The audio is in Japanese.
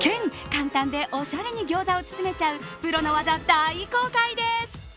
簡単でおしゃれにギョーザを包めちゃうプロの技、大公開です！